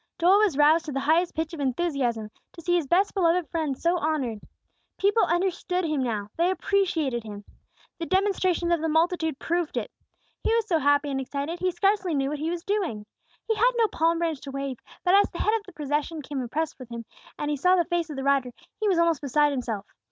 Joel was roused to the highest pitch of enthusiasm, to see His best beloved friend so honored. People understood Him now; they appreciated Him. The demonstrations of the multitude proved it. He was so happy and excited, he scarcely knew what he was doing. He had no palm branch to wave, but as the head of the procession came abreast with him, and he saw the face of the rider, he was almost beside himself.